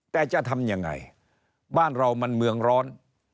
แต่จะทำยังไงบ้านเรามันเมืองร้อน